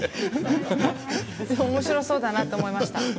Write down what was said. おもしろそうだなと思いました。